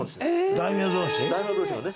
大名同士のね。